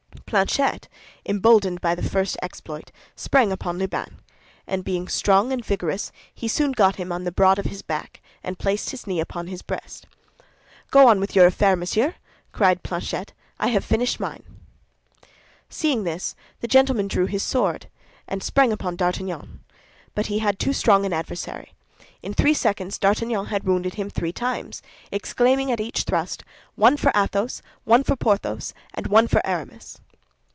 Planchet, emboldened by the first exploit, sprang upon Lubin; and being strong and vigorous, he soon got him on the broad of his back, and placed his knee upon his breast. "Go on with your affair, monsieur," cried Planchet; "I have finished mine." Seeing this, the gentleman drew his sword, and sprang upon D'Artagnan; but he had too strong an adversary. In three seconds D'Artagnan had wounded him three times, exclaiming at each thrust, "One for Athos, one for Porthos; and one for Aramis!"